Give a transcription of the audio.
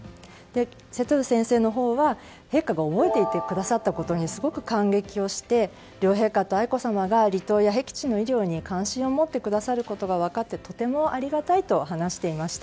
瀬戸上先生のほうは、陛下が覚えていてくださったことにすごく感激をして両陛下と愛子さまが離島や僻地の医療に関心を持ってくださることが分かってとてもありがたいと話していました。